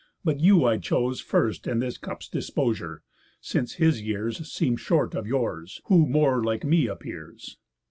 But you I choose First in this cup's disposure, since his years Seem short of yours, who more like me appears."